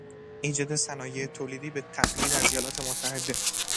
ایجاد صنایع تولیدی به تقلید از ایالت متحده